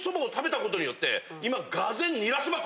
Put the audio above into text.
今。